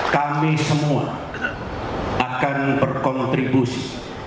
kami semua akan berkontribusi